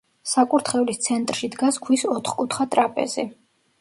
საკურთხევლის ცენტრში დგას ქვის ოთხკუთხა ტრაპეზი.